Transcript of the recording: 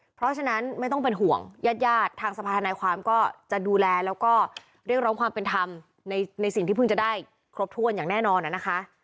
เพราะฉะนั้นไม่ต้องเป็นห่วงญาติญาติทางสภาธนายความก็จะดูแลแล้วก็เรียกร้องความเป็นธรรมในสิ่งที่เพิ่งจะได้ครบถ้วนอย่างแน่นอนนะคะ